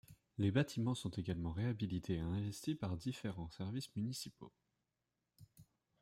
Les bâtiments sont également réhabilités et investis par différents services municipaux.